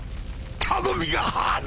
頼みがある！